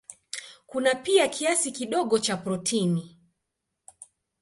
Kuna pia kiasi kidogo cha protini.